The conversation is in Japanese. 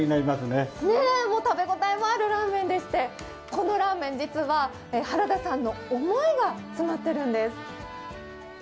食べ応えもあるラーメンでしてこのラーメン、実は原田さんの思いが詰まっているんです。